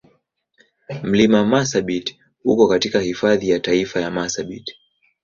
Mlima Marsabit uko katika Hifadhi ya Taifa ya Marsabit.